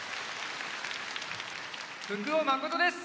福尾誠です。